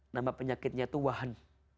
nama penyakitnya itu wahan